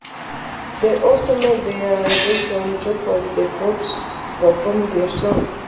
They also made their debut on "Top of the Pops" to perform this song.